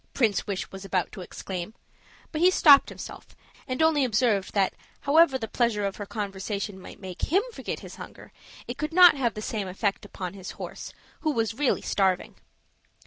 Prince Wish was about to exclaim, but he stopped himself, and only observed that however the pleasure of her conversation might make him forget his hunger, it could not have the same effect upon his horse, who was really starving.